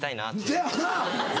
せやわな。